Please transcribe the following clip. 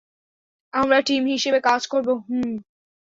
আমরা টিম হিসেবে কাজ করব, হুম?